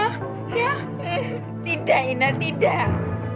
eh tidak ina tidak